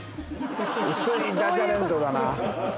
薄いダジャレントだな。